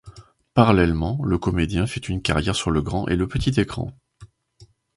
Parallèlement, le comédien fait une carrière sur le grand et le petit écran.